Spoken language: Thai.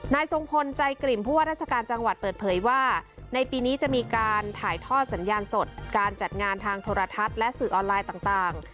ทรงพลใจกลิ่มผู้ว่าราชการจังหวัดเปิดเผยว่าในปีนี้จะมีการถ่ายทอดสัญญาณสดการจัดงานทางโทรทัศน์และสื่อออนไลน์ต่าง